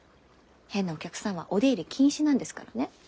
変なお客さんはお出入り禁止なんですからね。